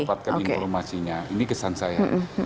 dapatkan informasinya ini kesan saya